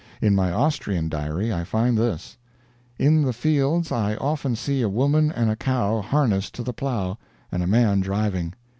In my Austrian diary I find this: "In the fields I often see a woman and a cow harnessed to the plow, and a man driving.